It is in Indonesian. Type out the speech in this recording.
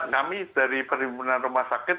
kami dari perhimpunan rumah sakit